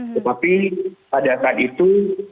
tetapi pada saat itu